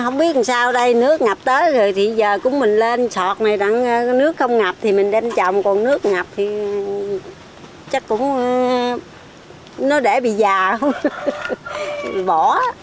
nước ngập tới rồi thì giờ cũng mình lên sọt này đặng nước không ngập thì mình đem chồng còn nước ngập thì chắc cũng nó để bị già bỏ